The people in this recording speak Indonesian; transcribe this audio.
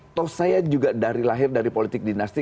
toh saya juga dari lahir dari politik dinasti